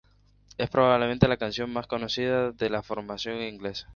Es probablemente la canción más conocida de la formación inglesa.